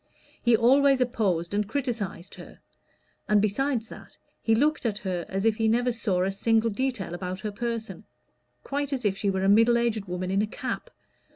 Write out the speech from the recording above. He always opposed and criticised her; and besides that, he looked at her as if he never saw a single detail about her person quite as if she were a middle aged woman in a cap.